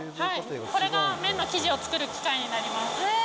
これが麺の生地を作る機械になります。